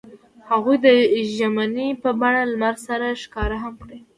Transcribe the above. هغوی د ژمنې په بڼه لمر سره ښکاره هم کړه.